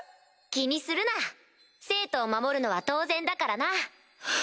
気にするな生徒を守るのは当然だからな。